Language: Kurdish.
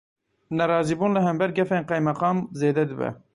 Nerazîbûn, li hember gefên qeymeqam zêde dibe.